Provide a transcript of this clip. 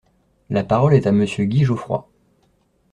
La parole est à Monsieur Guy Geoffroy.